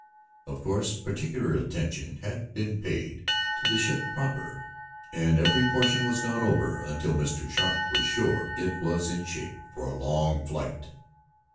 Of course particular attention had been paid to the ship proper, and every portion was gone over until Mr. Sharp was sure it was in shape for a long flight.